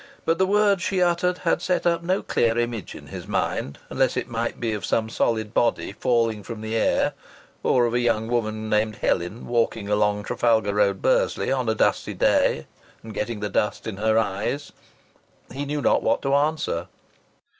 But the words she uttered had set up no clear image in his mind, unless it might be of some solid body falling from the air, or of a young woman named Helen, walking along Trafalgar Road, Bursley, on a dusty day, and getting the dust in her eyes. He knew not what to answer.